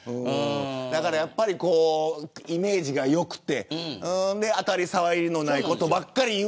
やっぱりイメージが良くて当たり障りのないことばっかり言